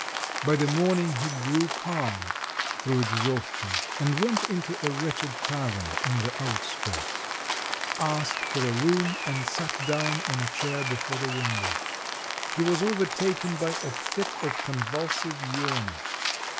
By the morning he grew calm through exhaustion, and went into a wretched tavern in the outskirts, asked for a room and sat down on a chair before the window. He was overtaken by a fit of convulsive yawning.